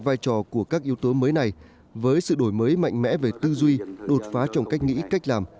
vai trò của các yếu tố mới này với sự đổi mới mạnh mẽ về tư duy đột phá trong cách nghĩ cách làm